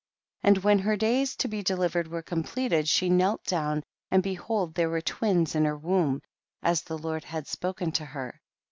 13. And when her days to be de livered were completed, she knell down, and behold there were twins in her womb, as the Lord had spo ken to her.